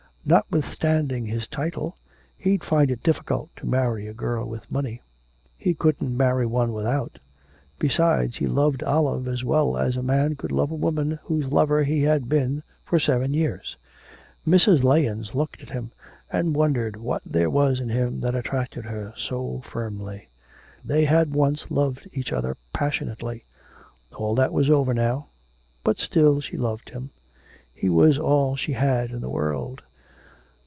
Notwithstanding his title, he'd find it difficult to marry a girl with money; he couldn't marry one without. Besides, he loved Olive as well as a man could love a woman whose lover he has been for seven years. ... Mrs. Lahens looked at him, and wondered what there was in him that attached her so firmly. They had once loved each other passionately. All that was over now... But still she loved him. ... He was all she had in the world.